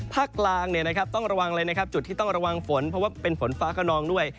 ภาคกลางต้องระวังเลยนะครับจุดที่ต้องระวังฝนเพราะว่าเป็นฝนฟ้าขนองด้วย